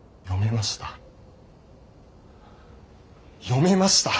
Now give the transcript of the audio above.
読めました。